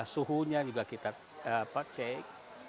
suhunya juga kita cek